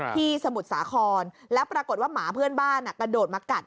สมุทรสาครแล้วปรากฏว่าหมาเพื่อนบ้านกระโดดมากัด